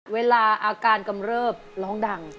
เวลาอาการกำเริบร้องดัง